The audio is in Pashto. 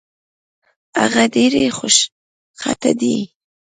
هغه ډېرې خوشخطه دي